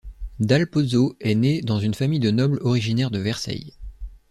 Dal Pozzo est né dans une famille de nobles originaire de Verceil.